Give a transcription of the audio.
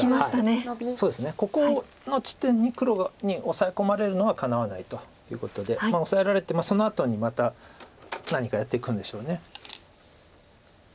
ここの地点に黒にオサエ込まれるのはかなわないということでオサえられてもそのあとにまた何かやっていくんでしょう。